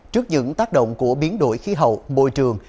trước những tác động của biến đổi khí hậu bồi trường